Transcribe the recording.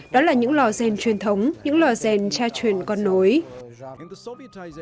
đó là những loạt rèn truyền thống những loạt rèn tra truyền con nối